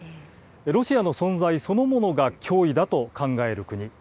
ロシアの存在そのものが脅威だと考える国。